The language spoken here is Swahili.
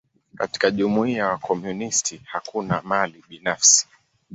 Katika jumuia ya wakomunisti, hakuna mali binafsi.